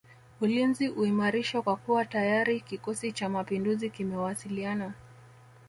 Ulinzi uimarishwe kwa kuwa tayari kikosi cha mapinduzi kimewasiliana